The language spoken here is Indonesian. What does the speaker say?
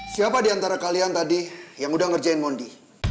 siapa di antara kalian tadi yang udah ngerjain mondi